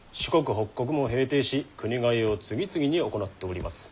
北国も平定し国替えを次々に行っております。